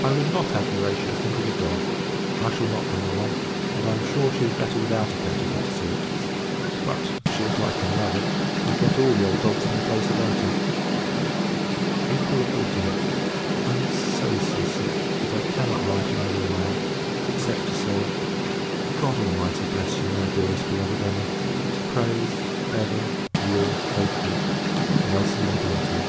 I would not have Horatia think of a dog. I shall not bring her one; and, I am sure, she is better without a pet of that sort. But, she is like her mother, would get all the old dogs in the place about her. April 14th. I am so sea sick, that I cannot write another line; except, to say God Almighty bless you, my dearest beloved Emma! prays, ever, your faithful NELSON & BRONTE.